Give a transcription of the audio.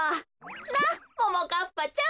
なあももかっぱちゃん！